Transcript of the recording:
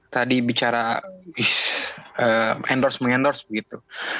tadi bicara endorse mengendorse begitu